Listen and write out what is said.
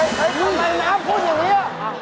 เว้ยว่าไงน้าพูดอย่างเงี้ย